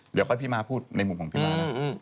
เดี๋ยวค่อยพี่ม้าพูดในมุมของพี่ม้านะ